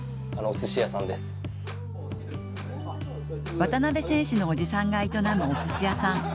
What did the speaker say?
渡辺選手のおじさんが営むおすし屋さん